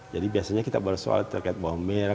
jadi biasanya kita bersuara terkait bawang merah